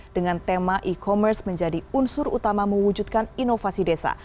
dengan tema e commerce menjadi unsur utama mewujudkan inovasi desa